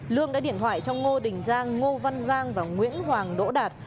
lương đã điện thoại cho ngô đình giang ngô văn giang và nguyễn hoàng đỗ đạt